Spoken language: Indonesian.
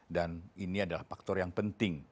dan ini adalah faktor yang penting